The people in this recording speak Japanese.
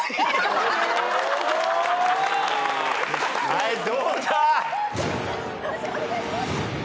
はいどうだ？